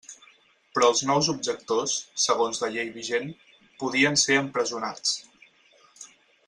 Però els nous objectors, segons la llei vigent, podien ser empresonats.